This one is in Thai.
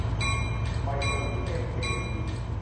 วัยสวิง - เทพเทวี